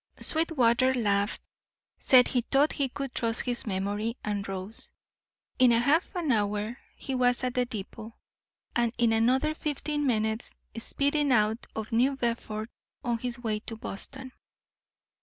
Sweetwater laughed, said he thought he could trust his memory, and rose. In a half hour he was at the depot, and in another fifteen minutes speeding out of New Bedford on his way to Boston.